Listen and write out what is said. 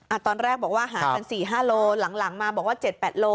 ตอนแรกบอกว่าหากันสี่ห้าโลหลังหลังมาบอกว่าเจ็ดแปดโล